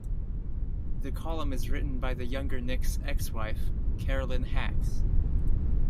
The column is written by the younger Nick's ex-wife, Carolyn Hax.